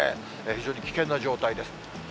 非常に危険な状態です。